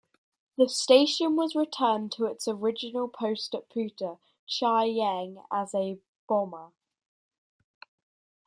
The station was returned to its original post at Puta, Chienge as a Boma.